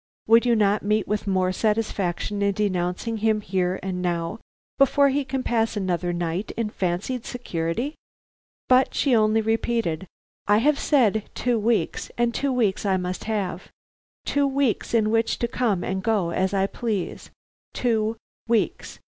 "Would you not meet with more satisfaction in denouncing him here and now before he can pass another night in fancied security?" But she only repeated: "I have said two weeks, and two weeks I must have. Two weeks in which to come and go as I please. Two weeks!"